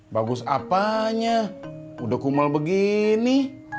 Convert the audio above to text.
bagus apanya udah kumal begini